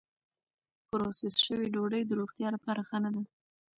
پروسس شوې ډوډۍ د روغتیا لپاره ښه نه ده.